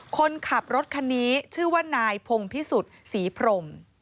คนขับรถคันนี้ชื่อว่านายพงพิสุทธิ์ศรีพรม